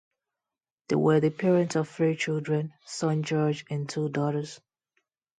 They were the parents of three children, son George, and two daughters.